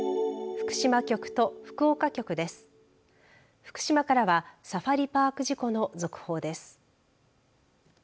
福島からはサファリパーク事故の続報です。